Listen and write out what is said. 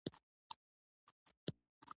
ډیر ټلیفون کارول د غوږو ستونزي پیدا کوي.